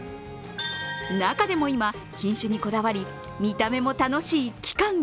中でも今、品種にこだわり見た目も楽しい期間